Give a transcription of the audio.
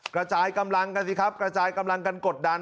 กระจายกำลังกันสิครับกระจายกำลังกันกดดัน